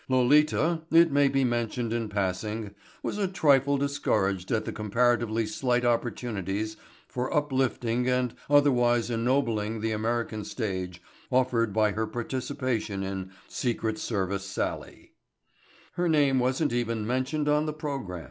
Lolita, it may be mentioned in passing, was a trifle discouraged at the comparatively slight opportunities for uplifting and otherwise ennobling the American stage offered by her participation in "Secret Service Sallie." Her name wasn't even mentioned on the program.